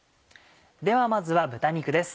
ではまずは豚肉です。